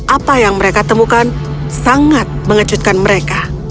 apa yang mereka temukan sangat mengejutkan mereka